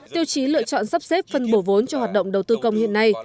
tiêu chí lựa chọn sắp xếp phân bổ vốn cho hoạt động đầu tư công hiện nay